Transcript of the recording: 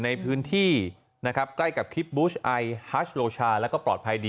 ในพื้นที่นะครับใกล้กับคลิปบูชไอฮัชโลชาแล้วก็ปลอดภัยดี